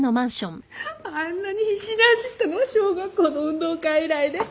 あんなに必死に走ったのは小学校の運動会以来で。